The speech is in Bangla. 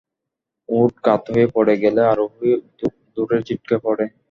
উট কাত হয়ে পড়ে গেলে আরোহীও দূরে ছিটকে পড়ে।